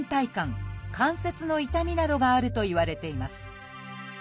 関節の痛みなどがあるといわれています。